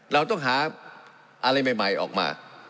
เราต้องหาอะไรใหม่ออกมา